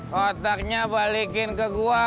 kotaknya balikin ke gua